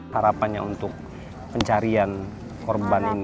harapannya untuk pencarian korban ini